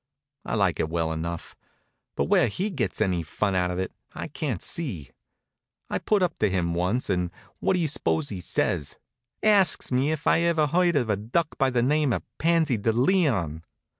I like it well enough, but where he gets any fun out of it I can't see. I put it up to him once, and what do you suppose he says? Asks me if I ever heard of a duck by the name of Panzy de Lean.